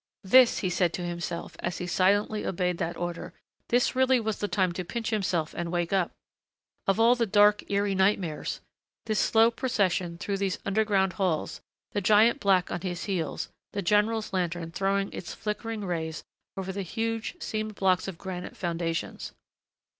This, he said to himself, as he silently obeyed that order, this really was the time to pinch himself and wake up! Of all the dark, eerie nightmares! This slow procession through these underground halls, the giant black on his heels, the general's lantern throwing its flickering rays over the huge, seamed blocks of granite foundations.